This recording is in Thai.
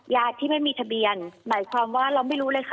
ที่ไม่มีทะเบียนหมายความว่าเราไม่รู้เลยค่ะ